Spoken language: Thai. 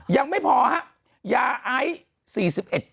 ยังไม่พอฮะยาไอ๔๑กรัม